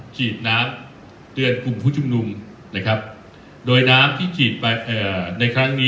ฉีดน้ำเป็นกลุ่มผู้ชุมนุมนะครับโดยน้ำที่ฉีด้่